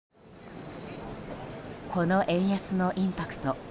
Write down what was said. この円安のインパクト。